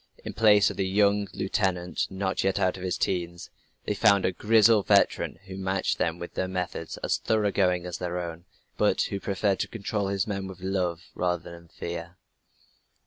In place of the young lieutenant not yet out of his 'teens, they found a grizzled veteran who matched them with methods as thorough going as their own, but who preferred to control his men by love rather than fear.